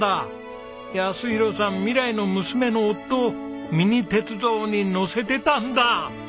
泰弘さん未来の娘の夫をミニ鉄道に乗せてたんだ！